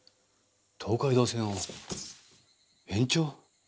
東海道線を延長？